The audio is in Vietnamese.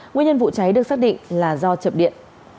nguyên nhân vụ cháy được xác định là do chập điện